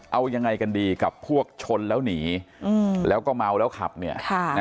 เอายังไงกันดีกับพวกชนแล้วหนีแล้วก็เมาแล้วขับเนี่ย